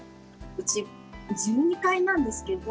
うち１２階なんですけど。